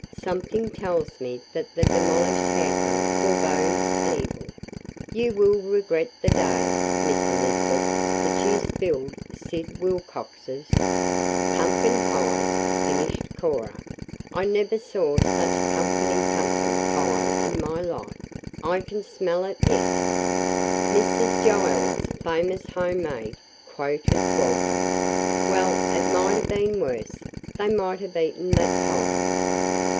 "Something tells me that the demolished hamper forbodes evil. You will regret the day, Miss Elizabeth, that you spilled Sid Wilcox's " "Pumpkin pie," finished Cora. "I never saw such pumpkiny pumpkin pie in my life. I can smell it yet!" "Mrs. Giles' famous home made," quoted Walter. "Well, it might have been worse they might have eaten that pie."